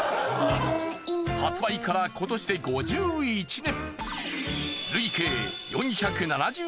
発売から今年で５１年。